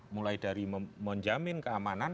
mulai dari menjamin keamanan